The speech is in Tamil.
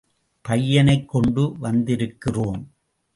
பையனைக் கொண்டு வந்திருக்கிறோம்.